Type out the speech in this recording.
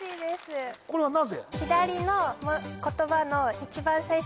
これはなぜ？